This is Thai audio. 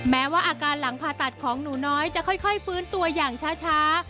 แม้ว่าอาการหลังผ่าตัดของหนูน้อยจะค่อยฟื้นตัวอย่างช้า